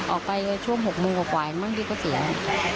ออกไปช่วงหกมือกับวายมั่งดีกว่าสินะ